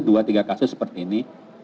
dua tiga kasus seperti ini